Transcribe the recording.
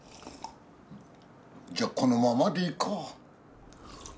じゃあこのままでいいか。